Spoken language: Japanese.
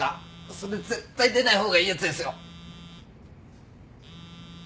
それ絶対出ない方がいいやつですよ。